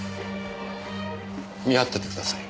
見張っててください。